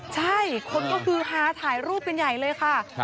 ใช่คนก็คือฮาถ่ายรูปกันใหญ่เลยค่ะ